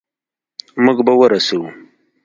موږ به ورسو.